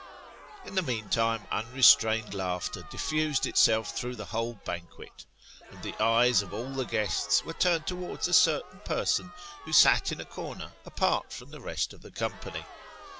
In the meantime unrestrained laughter diffused itself through the whole banquet ; and the eyes of all the guests were turned towards a certain person who sat in a corner apart from the rest of the company.